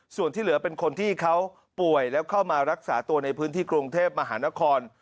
ส่วนที่เหลือเป็นคนที่เขาป่วยแล้วเข้ามารักษาตัวในพื้นที่กรุงเทพมหานคร